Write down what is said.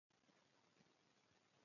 سبا بیا هغه میچن، هغه تنور دی